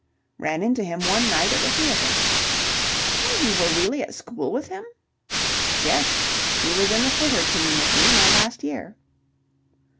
"Ran into him one night at the theatre." "And you were really at school with him?" "Yes. He was in the footer team with me my last year."